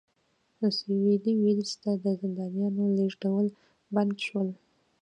سوېلي ویلز ته د زندانیانو لېږدول بند شول.